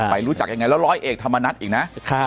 รู้จักยังไงแล้วร้อยเอกธรรมนัฐอีกนะ